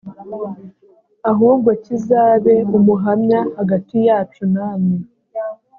ahubwo kizabe umuhamya hagati yacu namwe